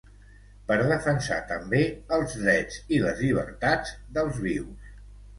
Per defensar, també, els drets i les llibertats dels vius.